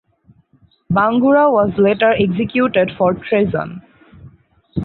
Bangura was later executed for treason.